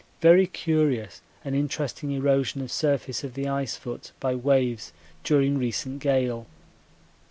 Very curious and interesting erosion of surface of the ice foot by waves during recent gale.